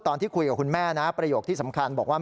ตอนที่คุยกับคุณแม่นะประโยคที่สำคัญบอกว่า